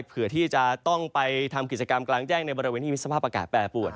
เพื่อที่จะต้องไปทำกิจกรรมกลางแจ้งในบริเวณที่มีสภาพอากาศแปรปวด